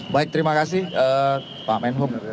baik terima kasih pak menhub